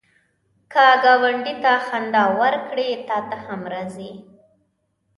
که ګاونډي ته خندا ورکړې، تا ته هم راځي